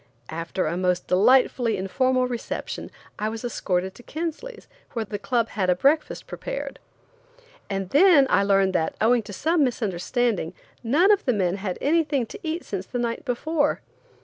After a most delightfully informal reception I was escorted to Kinsley's, where the club had a breakfast prepared. And then I learned that, owing to some misunderstanding, none of the men had had anything to eat since the night before.